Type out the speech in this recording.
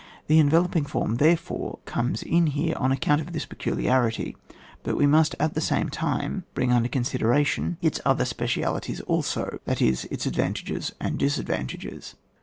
The enveloping form therefore comes in here on account of this peculi arity; but we must at the same time bring under consideration its other 154 ON WAR. Bpecialities also, that is its advantages and disadvantages.